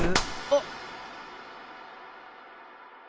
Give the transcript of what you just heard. あっ。